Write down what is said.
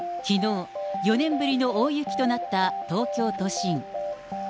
きのう、４年ぶりの大雪となった東京都心。